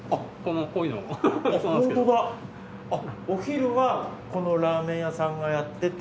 お昼はこのラーメン屋さんがやってて。